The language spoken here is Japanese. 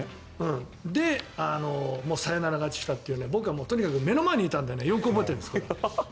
で、サヨナラ勝ちしたという僕は目の前にいたのでよく覚えてるんです。